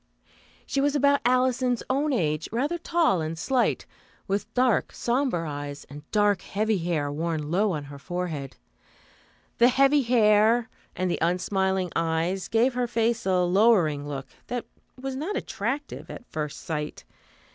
She was about Alison's own age, rather tall and slight, with dark, sombre eyes and dark heavy hair worn low on her forehead. The heavy hair and the unsmiling eyes gave her face a lowering look that was not attractive at first sight.